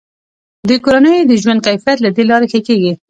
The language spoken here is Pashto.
د کورنیو د ژوند کیفیت له دې لارې ښه کیږي.